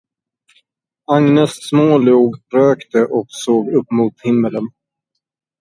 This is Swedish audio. Agnes smålog, rökte och såg upp mot himmeln.